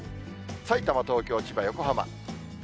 さいたま、東京、千葉、横浜。